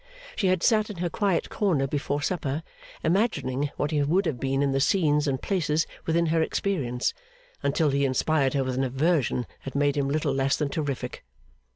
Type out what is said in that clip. She had sat in her quiet corner before supper imagining what he would have been in the scenes and places within her experience, until he inspired her with an aversion that made him little less than terrific.